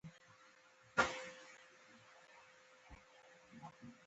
افغانستان په یورانیم باندې تکیه لري.